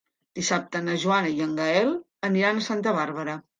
Dissabte na Joana i en Gaël aniran a Santa Bàrbara.